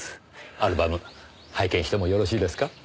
アルバム拝見してもよろしいですか？